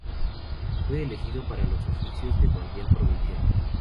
Fue elegido para los oficios de guardián y provincial.